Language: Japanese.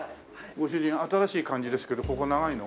ご主人新しい感じですけどここ長いの？